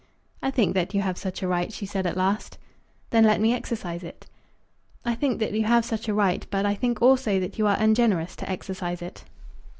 "I think that you have such a right," she said at last. "Then let me exercise it." "I think that you have such a right, but I think also that you are ungenerous to exercise it."